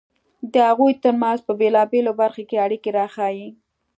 د هغوی ترمنځ په بېلابېلو برخو کې اړیکې راښيي.